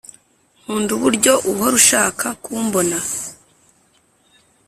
nkunda uburyo uhora ushaka kumbona